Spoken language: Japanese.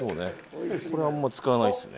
これあんまり使わないですね。